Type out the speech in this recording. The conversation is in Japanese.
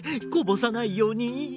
こぼさないように。